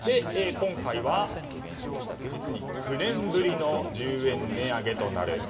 今回は実に９年ぶりの１０円値上げとなる。